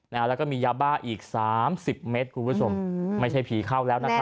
แล้วก็มียาบ้าอีกสามสิบเมตรคุณผู้ชมไม่ใช่ผีเข้าแล้วนะครับ